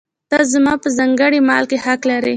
ته زما په ځانګړي مال کې حق لرې.